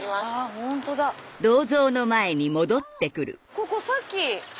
ここさっき。